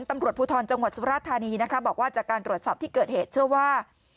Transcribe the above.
ตำรวจภูทรจังหวัดสุราธานีนะคะบอกว่าจากการตรวจสอบที่เกิดเหตุเชื่อว่า